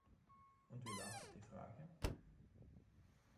Und wie lautet die Frage?